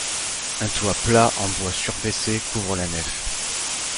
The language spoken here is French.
Un toit plat en bois surbaissé couvre la nef.